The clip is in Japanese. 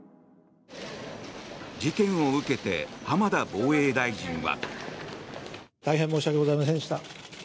事件を受けて浜田防衛大臣は。